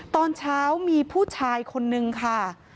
ตอนเช้ามีผู้ชายคนนึงค่ะ